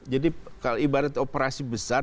jadi ibarat operasi besar